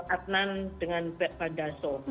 adnan dengan vandaso